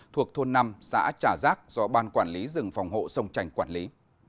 thuộc thôn năm xã trà giác do ban quản lý rừng phòng hộ sông tranh quản lý